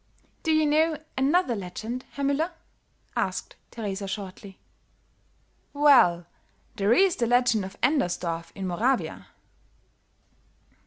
"Do you know another legend, Herr Müller?" asked Teresa, shortly. "Well, there is the legend of Endersdorf in Moravia.